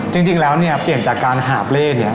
จริงแล้วเนี่ยเปลี่ยนจากการหาบเล่เนี่ย